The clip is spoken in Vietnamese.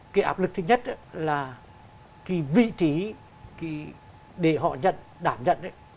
cái áp lực thứ nhất là cái vị trí để họ nhận đảm nhận